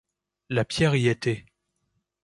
La pierre y était.